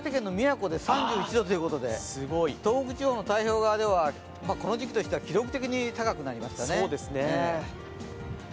岩手県の宮古で３１度ということで東北地方の太平洋側ではこの時期としては記録的に高くなりましたね。